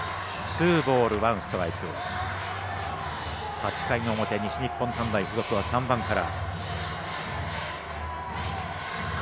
８回の表、西日本短大付属の３番から。